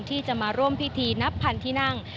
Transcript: ที่จะมาร่วมพิธีนับพันที่นั่ง